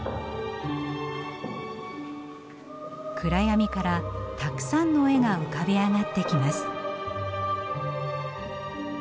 暗闇からたくさんの絵が浮かび上がってきます。